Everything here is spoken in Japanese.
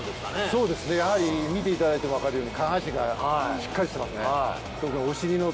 そうですねやはり見ていただいても分かるように下半身がしっかりしてますね。